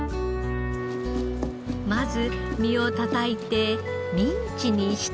まず身をたたいてミンチにしたら。